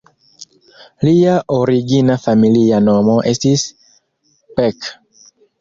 Lia origina familia nomo estis "Beck".